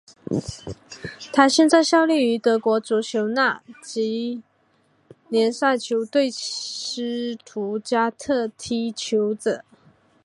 他现在效力于德国足球丙级联赛球队斯图加特踢球者。